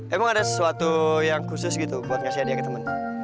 emang ada sesuatu yang khusus gitu buat ngasih hadiah ke temen